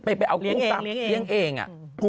เอากุ้งตามเรียงเองอ่ะนะครับ